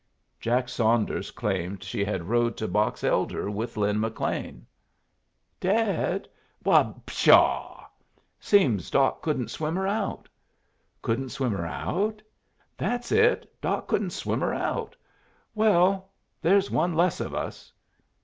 Jack Saunders claimed she had rode to Box Elder with Lin McLean. "Dead? Why, pshaw!" "Seems Doc couldn't swim her out." "Couldn't swim her out?" "That's it. Doc couldn't swim her out." "Well there's one less of us."